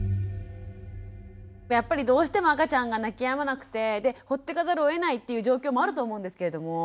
やっぱりどうしても赤ちゃんが泣きやまなくてでほっとかざるをえないっていう状況もあると思うんですけれども。